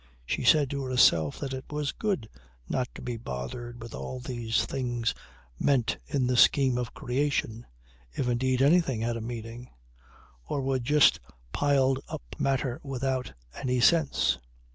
She said to herself that it was good not to be bothered with what all these things meant in the scheme of creation (if indeed anything had a meaning), or were just piled up matter without any sense.